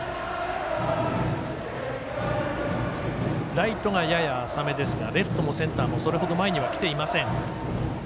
ライトがやや浅めですがレフトもセンターもそれほど前に来ていません。